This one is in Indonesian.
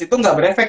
itu gak berefek